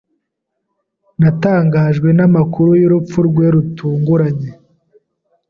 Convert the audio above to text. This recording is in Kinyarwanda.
Natangajwe n'amakuru y'urupfu rwe rutunguranye.